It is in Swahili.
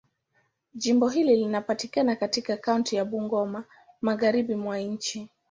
Jimbo hili linapatikana katika kaunti ya Bungoma, Magharibi mwa nchi.